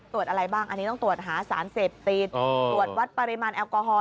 ตรวจอะไรบ้างตรวจสารเสพติดตรวจวัตรปริมาณแอลกอฮอล์